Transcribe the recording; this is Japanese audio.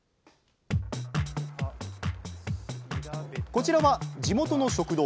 こちらは地元の食堂。